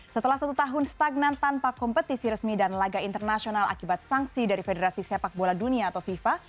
setelah satu tahun stagnan tanpa kompetisi resmi dan laga internasional akibat sanksi dari federasi sepak bola dunia atau fifa